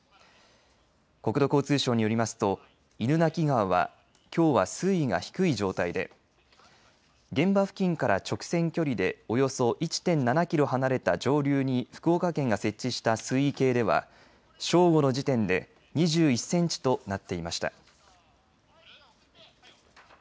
国土交通省によりますと犬鳴川はきょうは水が低い状態で現場付近から直線距離でおよそ１．７キロ離れた上流に福岡県が設置した水位計では正午の時点で２１センチとなっていました。